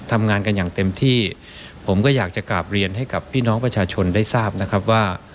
ทำงานกันอย่างเต็มที่ผมก็อยากจะกราบเรียนให้กับพี่น้องประชาชนได้ทราบนะครับว่า